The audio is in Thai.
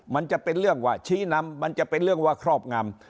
มันจะเป็นเรื่องว่าชี้นำมันจะเป็นเรื่องว่าครอบงำ